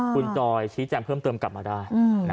คุณจอยชี้แจงเพิ่มเติมกลับมาได้